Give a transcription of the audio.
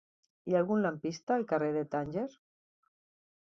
Hi ha algun lampista al carrer de Tànger?